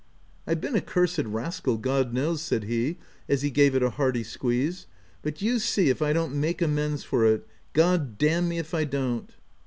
M I've been a cursed rascal, God knows," said he as he gave it a hearty squeeze, et but you see if I don't make amends for it — G — d d — n me if I don't